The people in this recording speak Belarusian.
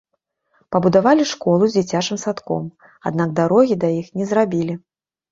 Пабудавалі школу з дзіцячым садком, аднак дарогі да іх не зрабілі.